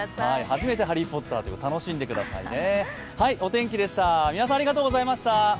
初めて「ハリー・ポッター」ということで楽しんでくださいね。